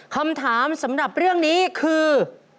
คำถามสำหรับเรื่องนี้คือ